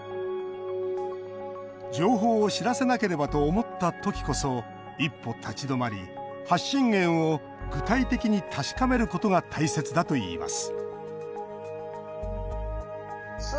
情報を知らせなければと思った時こそ、一歩立ち止まり発信源を具体的に確かめることが大切だといいます